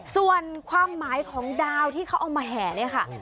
ส่วนความหมายของดาวที่เขาเอามาแห่เนี่ยค่ะ